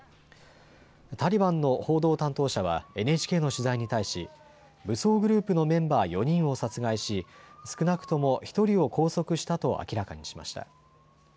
タリバンの報道担当者はＮＨＫの取材に対し、武装グループのメンバー４人を殺害し、少なくとも１人を拘束したと明らかにしました。